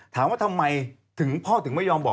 ถามว่าทำไมถึงพ่อถึงไม่ยอมบอก